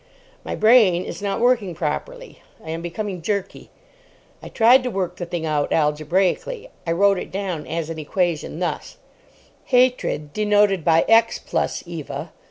My brain is not working properly. I am becoming jerky. I tried to work the thing out algebraically. I wrote it down as an equation, thus:— HATRED, denoted by x + Eva.